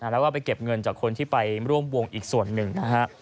แล้วก็ไปเก็บเงินจากคนที่ไปร่วมวงอีกส่วนหนึ่งนะฮะ